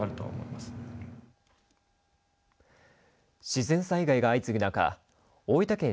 自然災害が相次ぐ中大分県